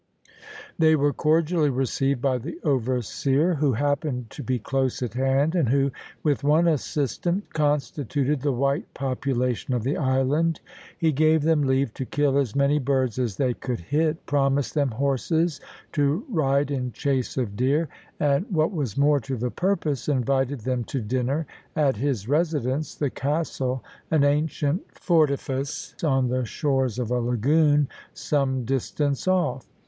They were cordially received by the overseer, who happened to be close at hand, and who, with one assistant, constituted the white population of the island. He gave them leave to kill as many birds as they could hit, promised them horses to ride in chase of deer, and, what was more to the purpose, invited them to dinner at his residence, the castle, an ancient fortalice on the shores of a lagoon some distance off.